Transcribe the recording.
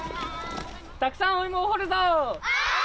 たくさんお芋を掘るぞー！